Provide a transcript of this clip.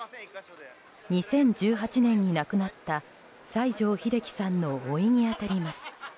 ２０１８年に亡くなった西城秀樹さんのおいに当たります。